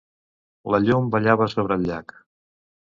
La llum ballava sobre el llac.